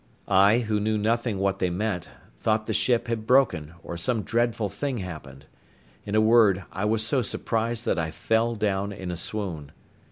I, who knew nothing what they meant, thought the ship had broken, or some dreadful thing happened. In a word, I was so surprised that I fell down in a swoon.